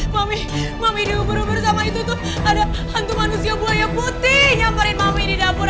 mami mami dihubungi sama itu tuh ada hantu manusia buaya putih nyamperin mami di dapur